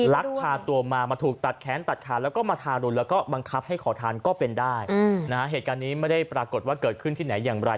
ลักพาตัวมามาถูกตัดแค้นตัดขาดแล้วก็มาทารุณแล้วก็บังคับให้ขอทานก็เป็นได้นะฮะเหตุการณ์นี้ไม่ได้ปรากฏว่าเกิดขึ้นที่ไหนอย่างไร